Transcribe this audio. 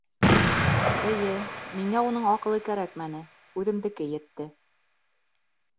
Эйе, миңә уның аҡылы кәрәкмәне, үҙемдеке етте.